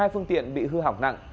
hai phương tiện bị hư hỏng nặng